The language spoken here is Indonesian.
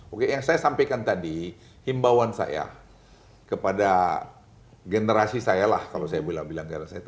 oke yang saya sampaikan tadi himbauan saya kepada generasi saya lah kalau saya bilang bilang saya itu